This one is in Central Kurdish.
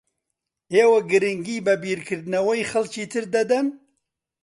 ئێوە گرنگی بە بیرکردنەوەی خەڵکی تر دەدەن؟